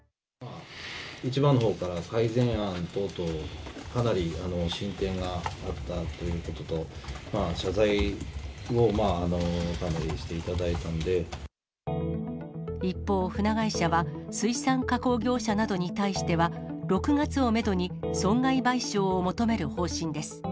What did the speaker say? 市場のほうから、改善案等々、かなり進展があったということと、一方、船会社は、水産加工業者などに対しては、６月をメドに、損害賠償を求める方針です。